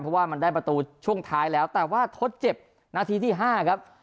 เพราะว่ามันได้ประตูช่วงท้ายแล้วแต่ว่าทดเจ็บนาทีที่๕ครับ